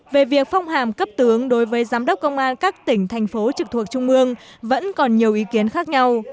về việc phong hàm cấp tướng đối với giám đốc công an các tỉnh thành phố trực thuộc trung mương vẫn còn nhiều ý kiến khác nhau